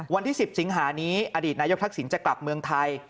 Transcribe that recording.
วันที่๑๐สิงหานี้อดีตนายกทักษิณจะกลับเมืองไทย